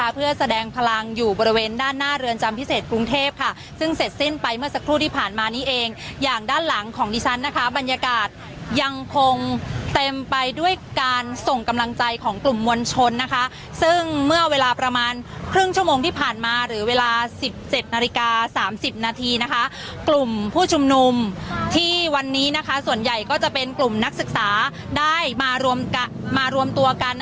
เพื่อแสดงพลังอยู่บริเวณด้านหน้าเรือนจำพิเศษกรุงเทพค่ะซึ่งเสร็จสิ้นไปเมื่อสักครู่ที่ผ่านมานี้เองอย่างด้านหลังของดิฉันนะคะบรรยากาศยังคงเต็มไปด้วยการส่งกำลังใจของกลุ่มมวลชนนะคะซึ่งเมื่อเวลาประมาณครึ่งชั่วโมงที่ผ่านมาหรือเวลาสิบเจ็ดนาฬิกาสามสิบนาทีนะคะกลุ่มผู้ชมนุมท